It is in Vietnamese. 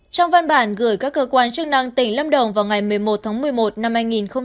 trong văn bản gửi các cơ quan chức năng tỉnh lâm đồng vào ngày một mươi một tháng một mươi một năm hai nghìn một mươi chín